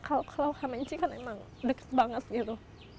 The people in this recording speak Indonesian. kalau ke lawak hamenci kan emang deket banget gitu